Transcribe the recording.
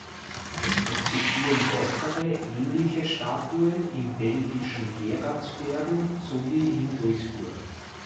Es existieren weitere ähnliche Statuen im belgischen Geraardsbergen sowie in Duisburg.